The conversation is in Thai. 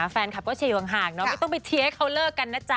แฟนคับก็เฉยห่างห่างไม่ต้องไปเทียกเขาเลิกกันนะจ๊ะ